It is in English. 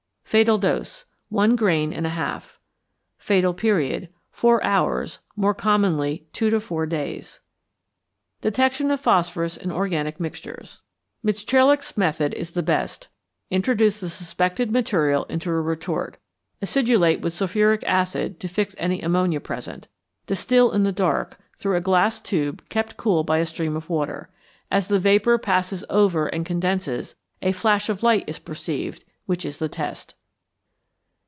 Fatal Dose. One grain and a half. Fatal Period. Four hours; more commonly two to four days. Detection of Phosphorus in Organic Mixtures. Mitscherlich's method is the best. Introduce the suspected material into a retort. Acidulate with sulphuric acid to fix any ammonia present. Distil in the dark, through a glass tube kept cool by a stream of water. As the vapour passes over and condenses, a flash of light is perceived, which is the test.